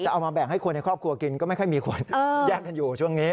เอามาแบ่งให้คนในครอบครัวกินก็ไม่ค่อยมีคนแยกกันอยู่ช่วงนี้